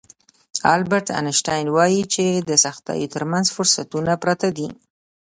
البرټ انشټاين وايي چې د سختیو ترمنځ فرصتونه پراته دي.